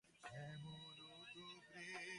তিনি বাবা মায়ের দ্বিতীয় সন্তান।